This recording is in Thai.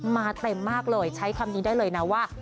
มาเต็มมากเลยใช้คำนี้ได้เลยนะว่า